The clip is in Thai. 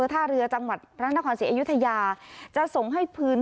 ถ้ารจังหวัดพระนครศิษย์อยุฒิญาอย่างอาจจะส่งให้พื้น